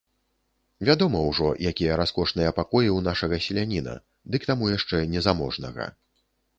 Вядома ўжо, якія раскошныя пакоі ў нашага селяніна, ды к таму яшчэ незаможнага.